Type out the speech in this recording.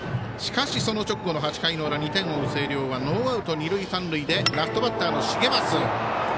しかしその直後の８回の裏２点を追う星稜はノーアウト二塁三塁でラストバッターの重舛。